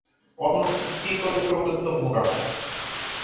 অন্য কেউ কি করেছে বলে তোমার ধারণা?